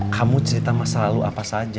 kamu cerita masa lalu apa saja